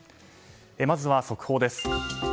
まずは速報です。